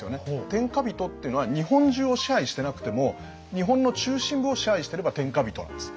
天下人っていうのは日本中を支配してなくても日本の中心部を支配してれば天下人なんです。